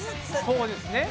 そうですね。